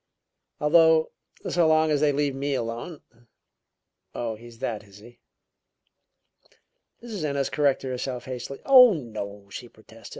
Although, so long as they leave me alone " "Oh, he's that, is he?" Mrs. Ennis corrected herself hastily. "Oh, no," she protested.